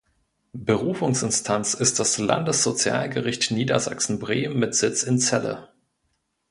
Berufungsinstanz ist das Landessozialgericht Niedersachsen-Bremen mit Sitz in Celle.